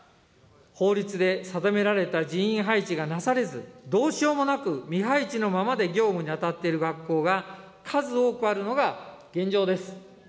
法律で定められた人員配置がなされず、どうしようもなく未配置のままで業務に当たっている学校が数多くあるのが現状です。